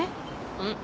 うん。